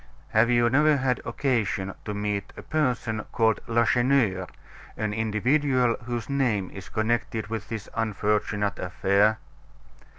"Have you never had occasion to meet a person called Lacheneur, an individual whose name is connected with this unfortunate affair?"